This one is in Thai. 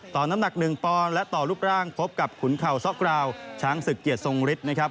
น้ำหนัก๑ปอนด์และต่อรูปร่างพบกับขุนเข่าซ้อกราวช้างศึกเกียรติทรงฤทธิ์นะครับ